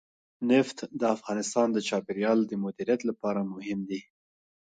نفت د افغانستان د چاپیریال د مدیریت لپاره مهم دي.